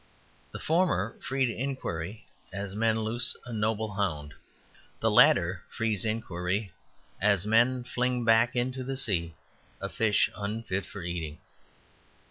The former freed inquiry as men loose a noble hound; the latter frees inquiry as men fling back into the sea a fish unfit for eating.